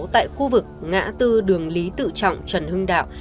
tại khu vực ngã tư đường lý tự trọng trần hưng đạo